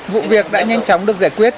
vụ việc đã nhanh chóng được giải quyết